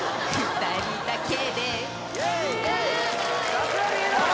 さすがリーダー！